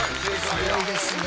すごいですね。